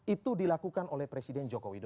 itu dilakukan oleh presiden jokowi dodo